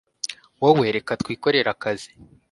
wowe reka twikorere akazi